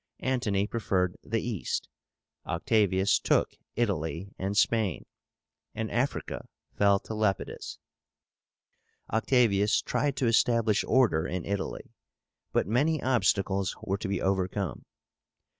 Antony preferred the East, Octavius took Italy and Spain, and Africa fell to Lepidus. Octavius tried to establish order in Italy, but many obstacles were to be overcome.